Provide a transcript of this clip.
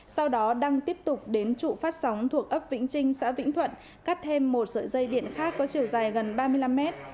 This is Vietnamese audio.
sau đó đăng tiếp tục đến trụ phát sóng thuộc ấp vĩnh trinh xã vĩnh thuận cắt thêm một sợi dây điện khác có chiều dài gần ba mươi năm mét